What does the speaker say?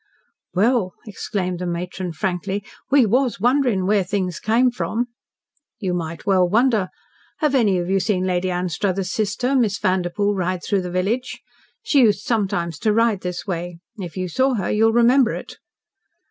"Well," exclaimed the matron frankly, "we WAS wondering where things came from." "You might well wonder. Have any of you seen Lady Anstruthers' sister, Miss Vanderpoel, ride through the village? She used sometimes to ride this way. If you saw her you will remember it.'